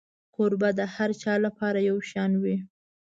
کوربه د هر چا لپاره یو شان وي.